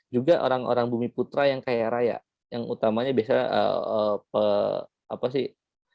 juga orang orang bumi putra yang kaya raya yang utamanya biasanya apa sih